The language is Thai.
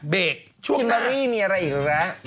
เบรกช่วงหน้าคิมมะรี่มีอะไรอีกแล้ว